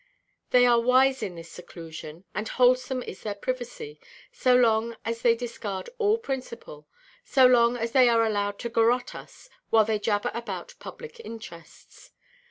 They are wise in this seclusion, and wholesome is their privacy, so long as they discard all principle—so long as they are allowed to garotte us, while they jabber about "public interests."